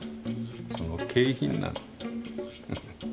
その景品なの。